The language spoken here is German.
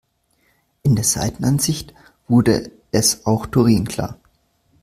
In der Seitenansicht wurde es auch Doreen klar.